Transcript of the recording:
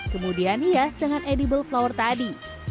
kemudian hias dengan edible flower tadi